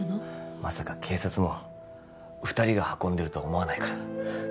まさか警察も二人が運んでるとは思わないから